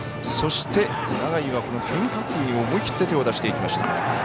そして、永井は変化球に思い切って手を出していきました。